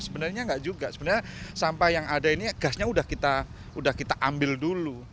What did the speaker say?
sebenarnya enggak juga sebenarnya sampah yang ada ini gasnya udah kita ambil dulu